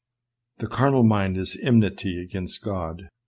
" The carnal mind is enmity against God."